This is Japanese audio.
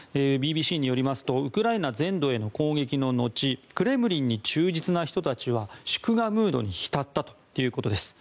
ＢＢＣによりますとウクライナ全土への攻撃ののちクレムリンに忠実な人たちは祝賀ムードに浸ったということです。